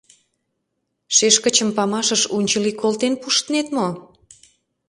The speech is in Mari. Шешкычым памашыш унчыли колтен пуштнет мо?